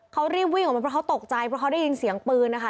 เขารีบวิ่งออกมาเพราะเขาตกใจเพราะเขาได้ยินเสียงปืนนะคะ